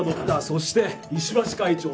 そして石橋会長。